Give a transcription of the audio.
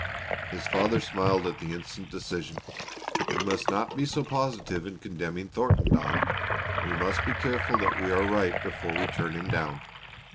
His father smiled at the instant decision. "You must not be so positive in condemning Thornton, Don. We must be careful that we are right before we turn him down.